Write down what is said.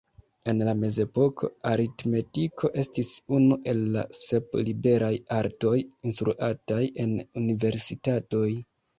En la Mezepoko, aritmetiko estis unu el la sep liberaj artoj instruataj en universitatoj.